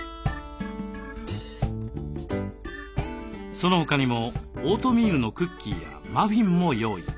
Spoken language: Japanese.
その他にもオートミールのクッキーやマフィンも用意。